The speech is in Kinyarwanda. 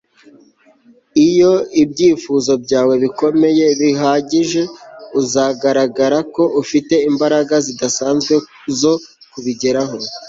iyo ibyifuzo byawe bikomeye bihagije uzagaragara ko ufite imbaraga zidasanzwe zo kubigeraho